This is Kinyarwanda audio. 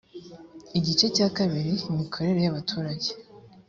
igice cya kabiri imikorere ya baturage